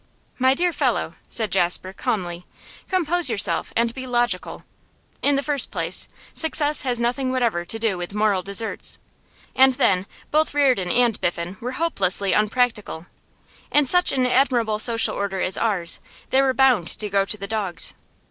'My dear fellow,' said Jasper, calmly, 'compose yourself and be logical. In the first place, success has nothing whatever to do with moral deserts; and then, both Reardon and Biffen were hopelessly unpractical. In such an admirable social order as ours, they were bound to go to the dogs.